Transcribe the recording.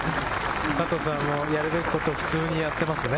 やるべきことを普通にやってますね。